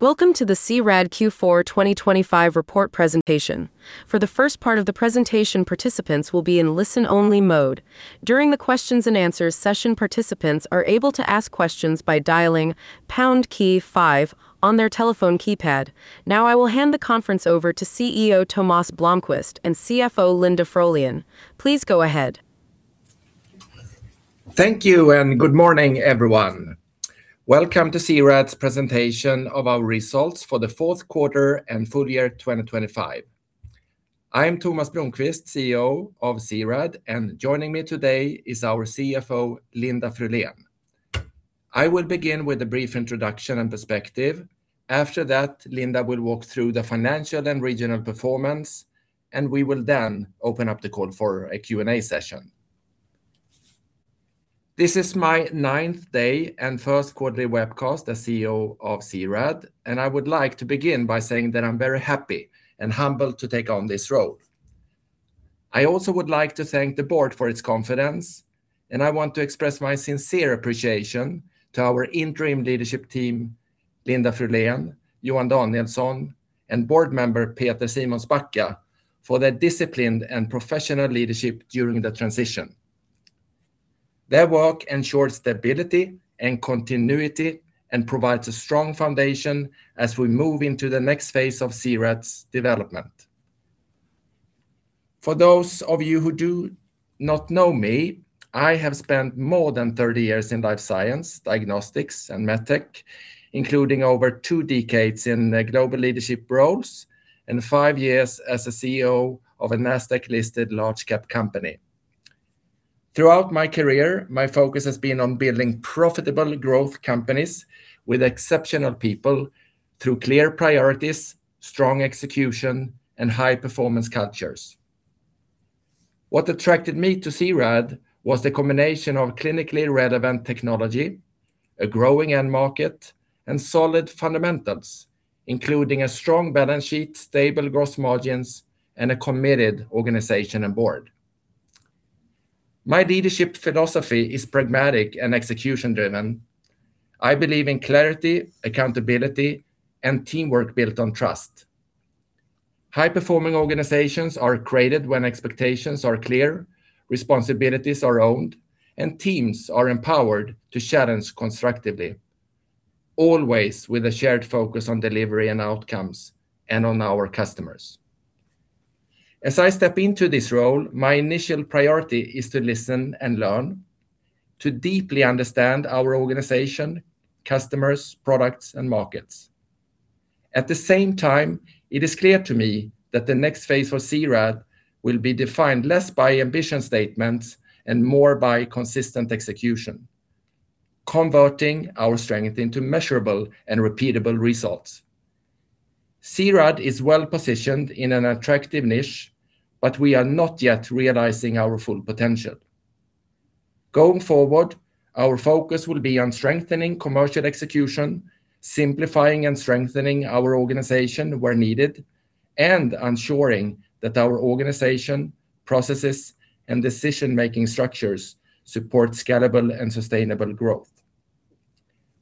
Welcome to the C-RAD Q4 2025 report presentation. For the first part of the presentation, participants will be in listen-only mode. During the questions and answers session, participants are able to ask questions by dialing pound key five on their telephone keypad. Now, I will hand the conference over to CEO Tomas Blomquist and CFO Linda Frölén. Please go ahead. Thank you, and good morning, everyone. Welcome to C-RAD's presentation of our results for the fourth quarter and full year 2025. I'm Tomas Blomquist, CEO of C-RAD, and joining me today is our CFO, Linda Frölén. I will begin with a brief introduction and perspective. After that, Linda will walk through the financial and regional performance, and we will then open up the call for a Q&A session. This is my ninth day and first quarterly webcast as CEO of C-RAD, and I would like to begin by saying that I'm very happy and humbled to take on this role. I also would like to thank the board for its confidence, and I want to express my sincere appreciation to our interim leadership team, Linda Frölén, Johan Danielsson, and board member Peter Simonsbacka, for their disciplined and professional leadership during the transition. Their work ensures stability and continuity and provides a strong foundation as we move into the next phase of C-RAD's development. For those of you who do not know me, I have spent more than 30 years in life science, diagnostics, and medtech, including over two decades in global leadership roles and five years as a CEO of a NASDAQ-listed large cap company. Throughout my career, my focus has been on building profitable growth companies with exceptional people through clear priorities, strong execution, and high-performance cultures. What attracted me to C-RAD was the combination of clinically relevant technology, a growing end market, and solid fundamentals, including a strong balance sheet, stable gross margins, and a committed organization and board. My leadership philosophy is pragmatic and execution-driven. I believe in clarity, accountability, and teamwork built on trust. High-performing organizations are created when expectations are clear, responsibilities are owned, and teams are empowered to challenge constructively, always with a shared focus on delivery and outcomes and on our customers. As I step into this role, my initial priority is to listen and learn, to deeply understand our organization, customers, products, and markets. At the same time, it is clear to me that the next phase for C-RAD will be defined less by ambition statements and more by consistent execution, converting our strength into measurable and repeatable results. C-RAD is well positioned in an attractive niche, but we are not yet realizing our full potential. Going forward, our focus will be on strengthening commercial execution, simplifying and strengthening our organization where needed, and ensuring that our organization, processes, and decision-making structures support scalable and sustainable growth.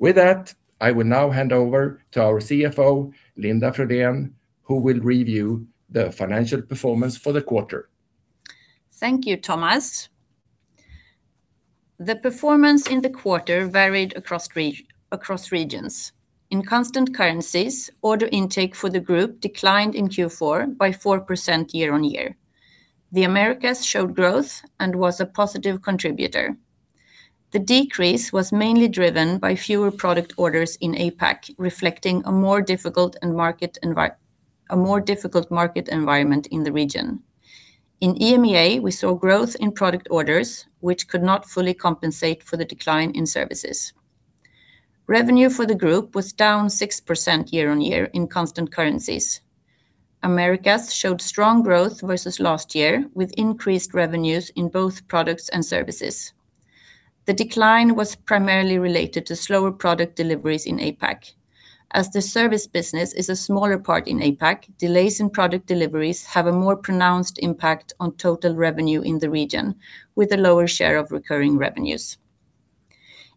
With that, I will now hand over to our CFO, Linda Frölén, who will review the financial performance for the quarter. Thank you, Tomas. The performance in the quarter varied across regions. In constant currencies, order intake for the group declined in Q4 by 4% year-on-year. The Americas showed growth and was a positive contributor. The decrease was mainly driven by fewer product orders in APAC, reflecting a more difficult market environment in the region. In EMEA, we saw growth in product orders, which could not fully compensate for the decline in services. Revenue for the group was down 6% year-on-year in constant currencies. Americas showed strong growth versus last year, with increased revenues in both products and services. The decline was primarily related to slower product deliveries in APAC. As the service business is a smaller part in APAC, delays in product deliveries have a more pronounced impact on total revenue in the region, with a lower share of recurring revenues.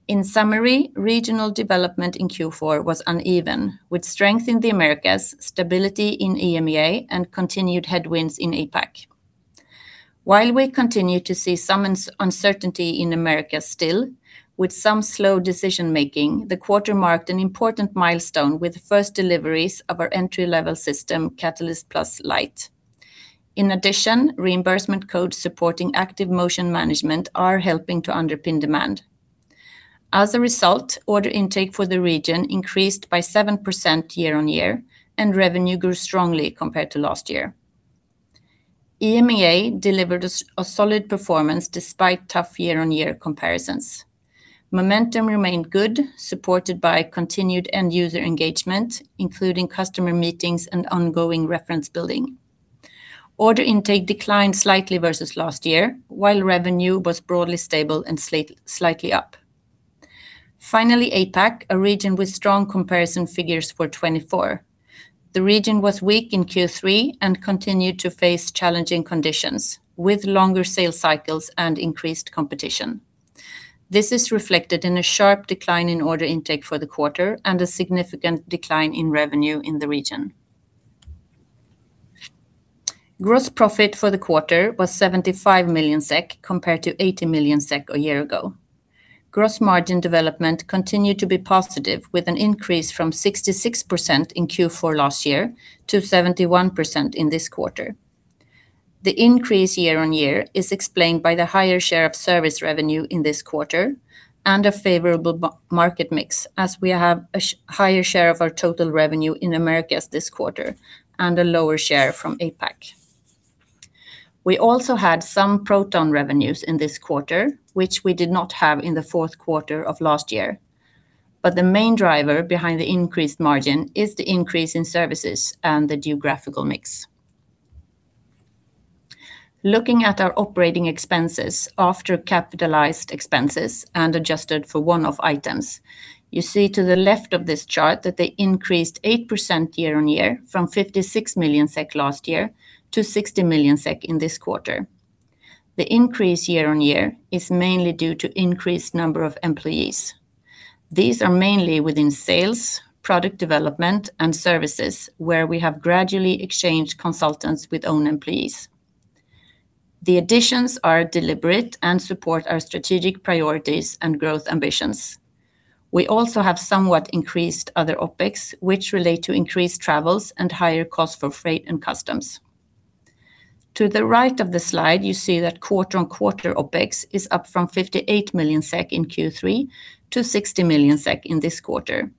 In summary, regional development in Q4 was uneven, with strength in the Americas, stability in EMEA, and continued headwinds in APAC. While we continue to see some uncertainty in America still, with some slow decision making, the quarter marked an important milestone with the first deliveries of our entry-level system, Catalyst+ Lite. In addition, reimbursement codes supporting active motion management are helping to underpin demand. As a result, order intake for the region increased by 7% year-on-year, and revenue grew strongly compared to last year. EMEA delivered a solid performance despite tough year-on-year comparisons. Momentum remained good, supported by continued end-user engagement, including customer meetings and ongoing reference building. Order intake declined slightly versus last year, while revenue was broadly stable and slightly up. Finally, APAC, a region with strong comparison figures for 2024. The region was weak in Q3 and continued to face challenging conditions, with longer sales cycles and increased competition.... This is reflected in a sharp decline in order intake for the quarter and a significant decline in revenue in the region. Gross profit for the quarter was 75 million SEK, compared to 80 million SEK a year ago. Gross margin development continued to be positive, with an increase from 66% in Q4 last year to 71% in this quarter. The increase year-on-year is explained by the higher share of service revenue in this quarter and a favorable market mix, as we have a higher share of our total revenue in Americas this quarter and a lower share from APAC. We also had some proton revenues in this quarter, which we did not have in the fourth quarter of last year, but the main driver behind the increased margin is the increase in services and the geographical mix. Looking at our operating expenses after capitalized expenses and adjusted for one-off items, you see to the left of this chart that they increased 8% year-on-year from 56 million SEK last year to 60 million SEK in this quarter. The increase year-on-year is mainly due to increased number of employees. These are mainly within sales, product development, and services, where we have gradually exchanged consultants with own employees. The additions are deliberate and support our strategic priorities and growth ambitions. We also have somewhat increased other OpEx, which relate to increased travels and higher costs for freight and customs. To the right of the slide, you see that quarter-over-quarter OpEx is up from 58 million SEK in Q3 to 60 million SEK in this quarter.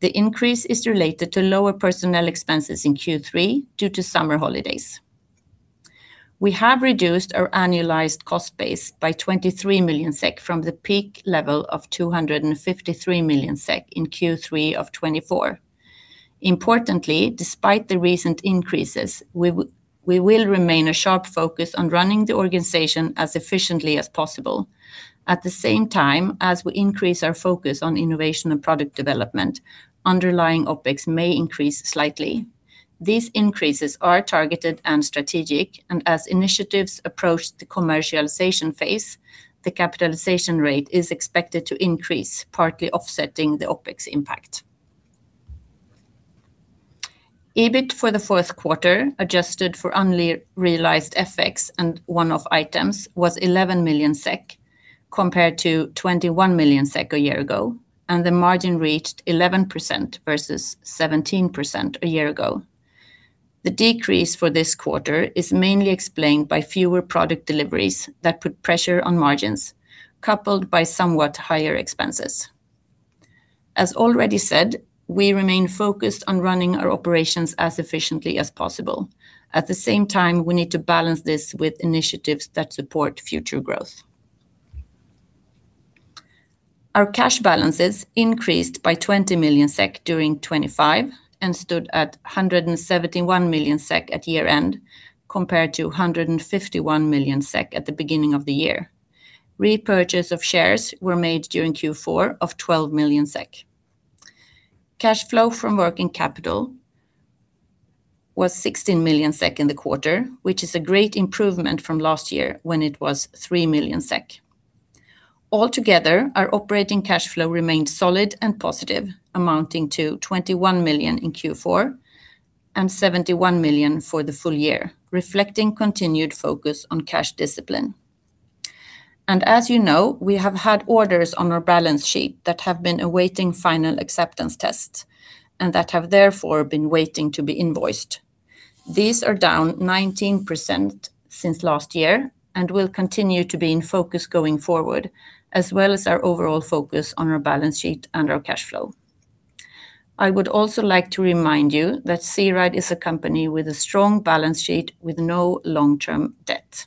The increase is related to lower personnel expenses in Q3 due to summer holidays. We have reduced our annualized cost base by 23 million SEK from the peak level of 253 million SEK in Q3 of 2024. Importantly, despite the recent increases, we will remain a sharp focus on running the organization as efficiently as possible. At the same time, as we increase our focus on innovation and product development, underlying OpEx may increase slightly. These increases are targeted and strategic, and as initiatives approach the commercialization phase, the capitalization rate is expected to increase, partly offsetting the OpEx impact. EBIT for the fourth quarter, adjusted for unrealized FX and one-off items, was 11 million SEK, compared to 21 million SEK a year ago, and the margin reached 11% versus 17% a year ago. The decrease for this quarter is mainly explained by fewer product deliveries that put pressure on margins, coupled by somewhat higher expenses. As already said, we remain focused on running our operations as efficiently as possible. At the same time, we need to balance this with initiatives that support future growth. Our cash balances increased by 20 million SEK during 2025 and stood at 171 million SEK at year-end, compared to 151 million SEK at the beginning of the year. Repurchase of shares were made during Q4 of 12 million SEK. Cash flow from working capital was 16 million SEK in the quarter, which is a great improvement from last year, when it was 3 million SEK. Altogether, our operating cash flow remained solid and positive, amounting to 21 million in Q4 and 71 million for the full year, reflecting continued focus on cash discipline. And as you know, we have had orders on our balance sheet that have been awaiting final acceptance tests and that have therefore been waiting to be invoiced. These are down 19% since last year and will continue to be in focus going forward, as well as our overall focus on our balance sheet and our cash flow. I would also like to remind you that C-RAD is a company with a strong balance sheet, with no long-term debt.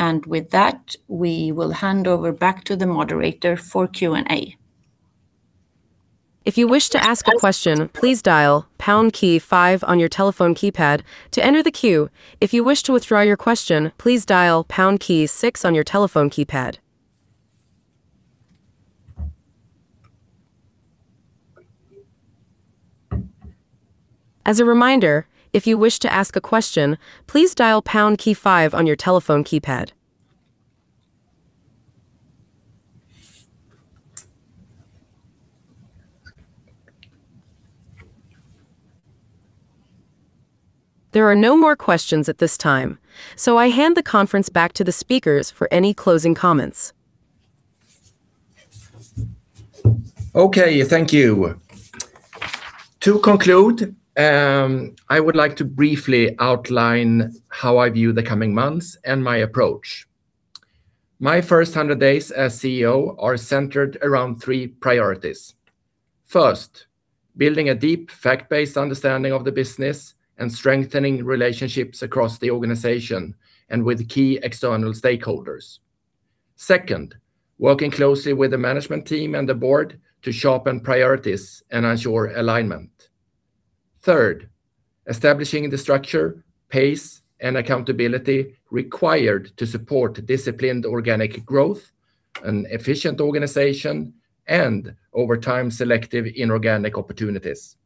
And with that, we will hand over back to the moderator for Q&A. If you wish to ask a question, please dial pound key five on your telephone keypad to enter the queue. If you wish to withdraw your question, please dial pound key six on your telephone keypad. As a reminder, if you wish to ask a question, please dial pound key five on your telephone keypad. There are no more questions at this time, so I hand the conference back to the speakers for any closing comments. Okay, thank you. To conclude, I would like to briefly outline how I view the coming months and my approach. My first 100 days as CEO are centered around three priorities. First, building a deep, fact-based understanding of the business and strengthening relationships across the organization and with key external stakeholders. Second, working closely with the management team and the board to sharpen priorities and ensure alignment. Third, establishing the structure, pace, and accountability required to support disciplined organic growth, an efficient organization, and, over time, selective inorganic opportunities.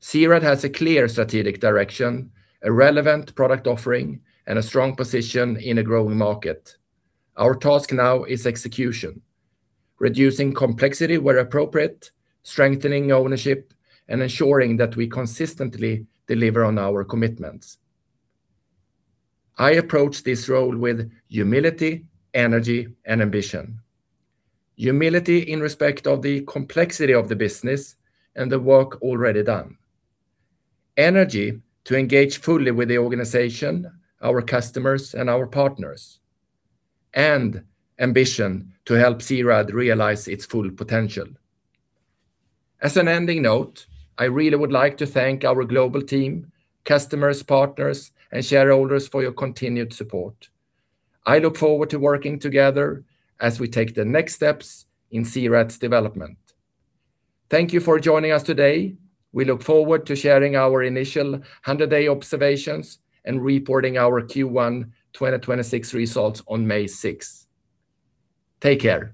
C-RAD has a clear strategic direction, a relevant product offering, and a strong position in a growing market. Our task now is execution, reducing complexity where appropriate, strengthening ownership, and ensuring that we consistently deliver on our commitments. I approach this role with humility, energy, and ambition. Humility in respect of the complexity of the business and the work already done. Energy to engage fully with the organization, our customers, and our partners. And ambition to help C-RAD realize its full potential. As an ending note, I really would like to thank our global team, customers, partners, and shareholders for your continued support. I look forward to working together as we take the next steps in C-RAD's development. Thank you for joining us today. We look forward to sharing our initial 100-day observations and reporting our Q1 2026 results on May 6. Take care!